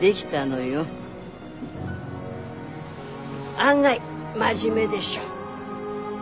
案外真面目でしょ？